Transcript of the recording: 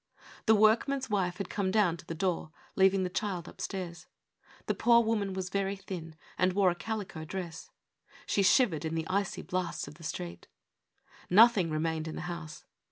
The workman's wife had come down to the door, leaving the child asleep up stairs. The poor woman was very thin, and wore a calico dress. She shivered in the icy blasts of the street. Nothing remained in the house.